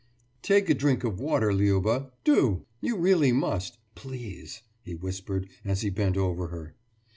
»Take a drink of water, Liuba, do I You really must ... please ...« he whispered as he bent over her.